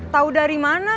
tau dari mana